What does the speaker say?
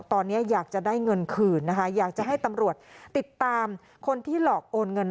ตอนนี้อยากจะได้เงินคืนนะคะอยากจะให้ตำรวจติดตามคนที่หลอกโอนเงิน